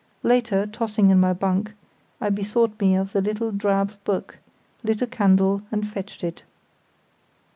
Later, tossing in my bunk, I bethought me of the little drab book, lit a candle, and fetched it.